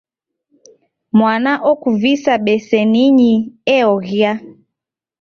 Mwana okuvisa beseninyi eoghia.